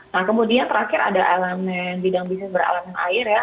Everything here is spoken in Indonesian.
nah kemudian terakhir ada elemen bidang bisnis beralasan air ya